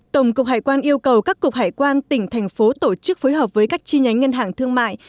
tổng cục hải quan yêu cầu các cục hải quan tỉnh thành phố tổ chức phối hợp với các chi nhánh ngân hàng thương mại